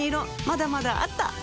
まだまだあった！